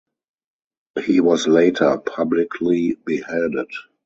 He was later publicly beheaded.